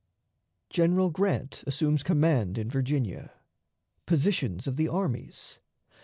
General Grant assumes Command in Virginia. Positions of the Armies.